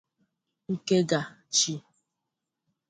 nkega Ch